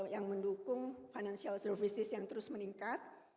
yang mendukung financial services yang terus meningkat